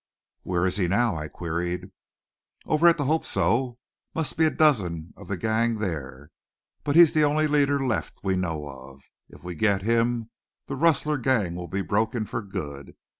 "Where is he now?" I queried. "Over at the Hope So. Must be a dozen of the gang there. But he's the only leader left we know of. If we get him, the rustler gang will be broken for good.